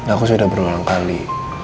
aku sudah berulang kali